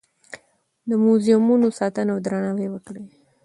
د موزیمونو ساتنه او درناوی وکړئ.